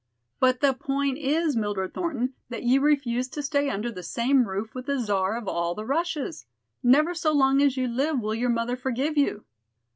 "But the point is, Mildred Thornton, that you refused to stay under the same roof with the Czar of all the Russias. Never so long as you live will your mother forgive you."